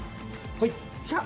はい。